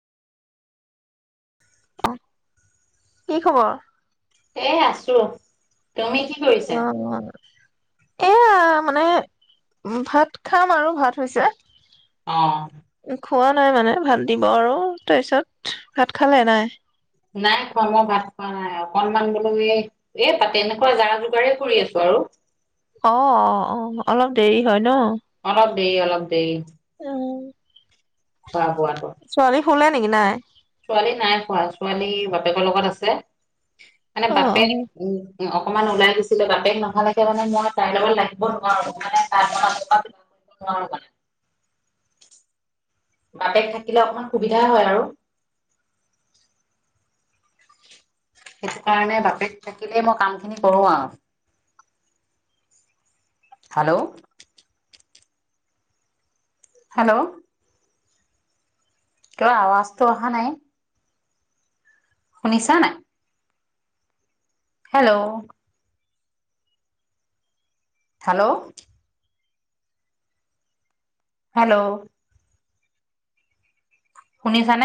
অ' কি খবৰ? এ আছো। তুমি কি কৰিছা? অ', এয়া মানে, ম ভাত খাম আৰু ভাত হৈছে। অহ। খোৱা নাই মানে ভাত দিব আৰু। তাৰ পিছত ভাত খালে নাই? নাই খোৱা মই ভাত খোৱা নাই অকনমান বোলো এই, এ ভাত এনেকুৱা যা-যোগাৰেই কৰি আছো আৰু। অ, অ, অ, অলপ দেৰি হয় ন? পান আৰু দেৰি অলপ দেৰি অহ খোৱা বোৱাটো শুলে নেকি নাই? ছোৱালী নাই শোৱা, ছোৱালী বাপেকৰ লগত আছে। মানে অ', অ'। বাপেক, উম। অকমান ওলাই গৈছিলে বাপেক নহালেকে মানে মই তাইৰ লগত লাগিব নোৱাৰো মানে বপেক থাকিলে অকনমান সুবিধা হয় আৰু। সেইটো কাৰণে বাপেক থাকিলেই মই কামখিনি কৰোঁ আৰু। হেল্ল' হেল্ল' তোৰ আৱাজটো অহা নাই। শুনিছা নাই? হেল্ল' হেল্ল' হেল্ল' শুনিছা নে?